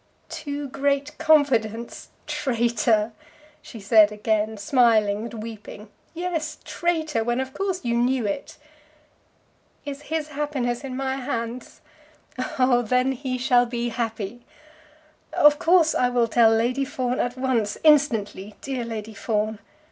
"Too great confidence! Traitor," she said again, smiling and weeping, "yes, traitor; when of course you knew it." "Is his happiness in my hands? Oh, then he shall be happy." "Of course I will tell Lady Fawn at once; instantly. Dear Lady Fawn!